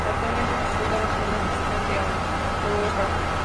Actualmente disputa la Segunda División de Andorra.